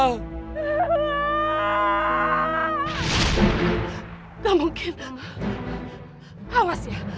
tidak mungkin awas ya